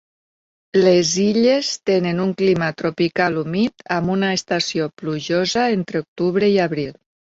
Les illes tenen un clima tropical humit amb una estació plujosa entre octubre i abril.